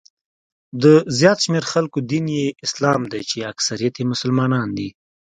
د زیات شمېر خلکو دین یې اسلام دی چې اکثریت یې مسلمانان دي.